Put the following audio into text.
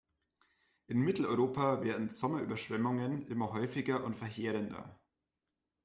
In Mitteleuropa werden Sommerüberschwemmungen immer häufiger und verheerender.